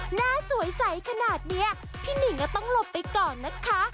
หน้าสวยใสขนาดนี้พี่หนิงก็ต้องหลบไปก่อนนะคะ